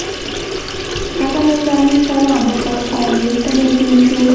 هغه نظامي سلام وکړ او مېز ته نږدې شو